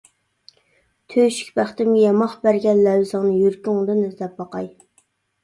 تۆشۈك بەختىمگە ياماق بەرگەن لەۋزىڭنى يۈرىكىڭدىن ئىزدەپ باقاي.